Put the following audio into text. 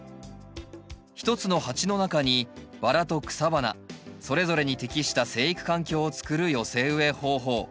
一つの鉢の中にバラと草花それぞれに適した生育環境をつくる寄せ植え方法。